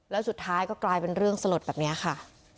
แล้วสุดท้ายก็กลายเป็นเรื่องสลดแบบนี้ค่ะ